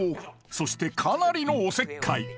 そしてかなりのおせっかい